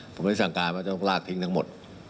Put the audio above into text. ผมไม่ได้สั่งการต้องลากทิ้งทั้งหมด